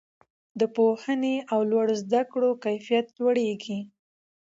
د پوهنې او لوړو زده کړو کیفیت لوړیږي.